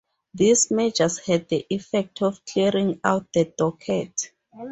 These measures had the effect of clearing out the docket.